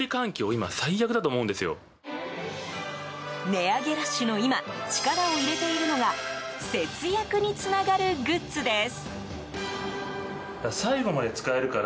値上げラッシュの今力を入れているのが節約につながるグッズです。